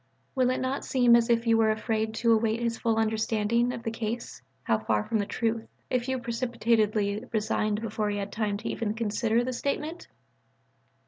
Will it not seem as if you were afraid to await his full understanding of the case (how far from the truth!) if you precipitately resigned before he had had time even to consider the statement?